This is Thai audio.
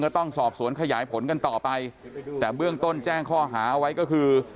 ต้องสอบสวนขยายผลกันต่อไปแต่เบื้องต้นแจ้งข้อหาเอาไว้ก็คือ